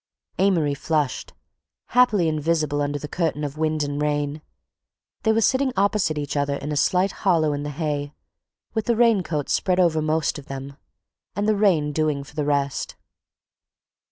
Amory flushed, happily invisible under the curtain of wind and rain. They were sitting opposite each other in a slight hollow in the hay with the raincoat spread over most of them, and the rain doing for the rest.